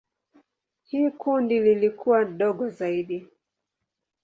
Hili kundi lilikuwa dogo zaidi.